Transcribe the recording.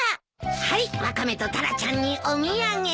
はいワカメとタラちゃんにお土産。